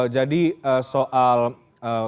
jadi soal keuangannya ini fitur apa